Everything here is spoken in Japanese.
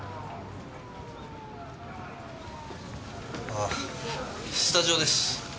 ああスタジオです。